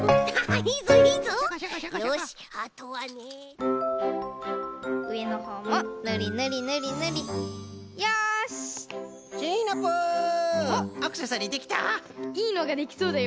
いいのができそうだよ。